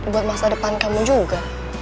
buat masa depan kamu juga